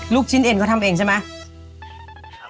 ลูกชิ้นเอ็นเขาทำเองใช่ไหม